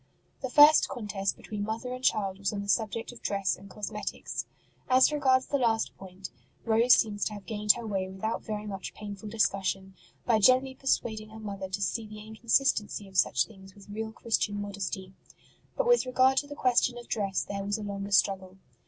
The first contest between mother and child was on the subject of dress and cosmetics. As regards the last point, Rose seems to have gained her way without very much painful discussion, by gently persuading her mother to sec the incon sistency of such things with real Christian modesty; but with regard to the question of dress there was a longer struggle.